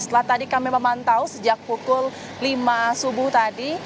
setelah tadi kami memantau sejak pukul lima subuh tadi